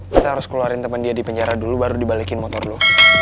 kita harus keluarin teman dia di penjara dulu baru dibalikin motor dulu